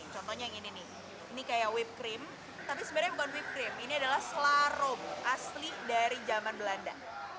contohnya yang ini nih ini kayak whippe cream tapi sebenarnya bukan whippe cream ini adalah selaro asli dari zaman belanda